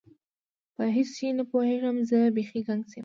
په هیڅ شي نه پوهېږم، زه بیخي ګنګس یم.